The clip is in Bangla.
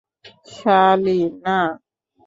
সালি, না!